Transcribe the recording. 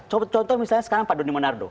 contoh contoh misalnya sekarang pak doni monardo